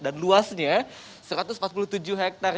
dan luasnya satu ratus empat puluh tujuh hektar